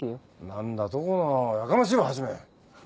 何だとこのやかましいわはじめ！